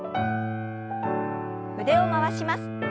腕を回します。